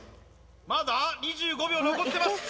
まだ２５秒残ってます